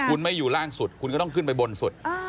คุณไม่อยู่ล่างสุดคุณก็ต้องขึ้นไปบนสุด